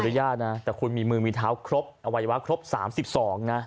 ยากนะแต่คุณมีมือมีเท้าครบอวัยวะครบ๓๒นะ